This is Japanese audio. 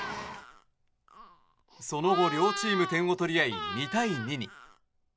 その後、両チーム点を取り合い２対２に。